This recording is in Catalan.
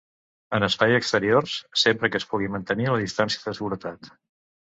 En espais exteriors, sempre que es pugui mantenir la distància de seguretat.